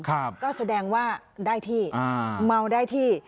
ก็แสดงว่าได้ที่อ่าเมาได้ที่